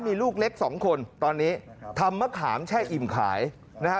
มีลูกเล็กสองคนตอนนี้ทำมะขามแช่อิ่มขายนะฮะ